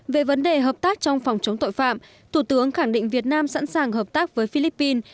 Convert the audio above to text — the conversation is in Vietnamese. về vấn đề hợp tác trong phòng chống tội phạm thủ tướng khẳng định việt nam sẵn sàng hợp tác với philippines